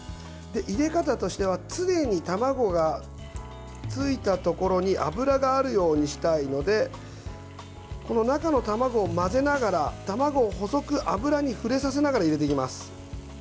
入れ方としては常に卵がついたところに油があるようにしたいのでこの中の卵を混ぜながら卵を細く、油に触れさせながら入れていきます。